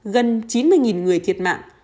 gần chín mươi người thiệt mạng